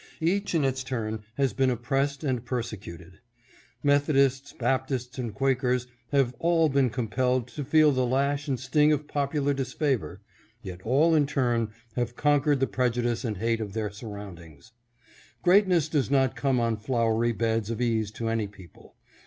Each in its turn has been oppressed and persecuted. Methodists, Baptists, and Quakers have all been com A LESSON IN POLITICAL ECONOMY. 615 pelled to feel the lash and sting of popular disfavor — yet all in turn have conquered the prejudice and hate of their surroundings. Greatness does not come on flowery beds of ease to any people.